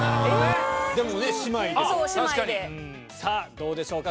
どうでしょうか。